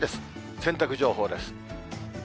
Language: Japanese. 洗濯情報です。